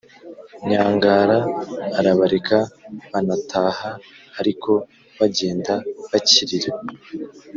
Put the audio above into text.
nyangara arabareka banataha ariko bagenda bakirira